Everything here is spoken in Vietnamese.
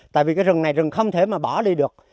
tại vì cái rừng này rừng không thể mà bỏ đi được